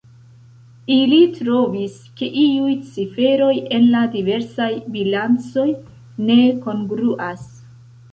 Ili trovis, ke iuj ciferoj en la diversaj bilancoj ne kongruas.